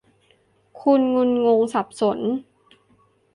คุณงุนงงสับสน